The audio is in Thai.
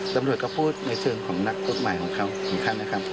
ตำรวจก็พูดในเชิงของนักกฎหมายของเขาของท่านนะครับ